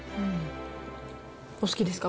お好きですか？